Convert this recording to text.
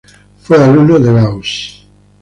Fue alumno de Gauss.